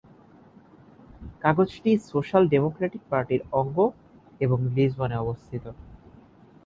কাগজটি social democratic পার্টির অঙ্গ এবং লিসবনে অবস্থিত।